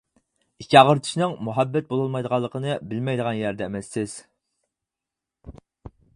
-ئىچ ئاغرىتىشنىڭ مۇھەببەت بولالمايدىغانلىقىنى بىلمەيدىغان يەردە ئەمەسسىز.